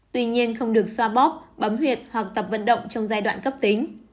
tuy nhiên không được xoa bóp bấm huyệt hoặc tập vận động trong giai đoạn cấp tính